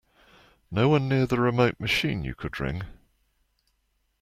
No one near the remote machine you could ring?